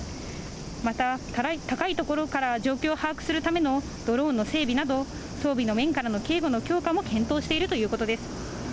また、高い所から状況を把握するためのドローンの整備など、装備の面からの警備の強化も検討しているということです。